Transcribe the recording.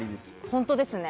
本当ですね。